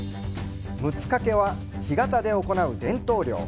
ムツかけは干潟で行う伝統漁。